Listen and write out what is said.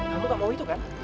kamu gak mau itu kan